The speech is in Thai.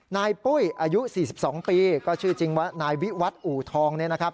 ปุ้ยอายุ๔๒ปีก็ชื่อจริงว่านายวิวัตรอู่ทองเนี่ยนะครับ